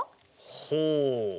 ほう。